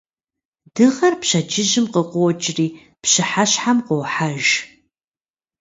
Дыгъэр пщэдджыжьым къыщӀокӀри пщыхьэщхьэм къуохьэж.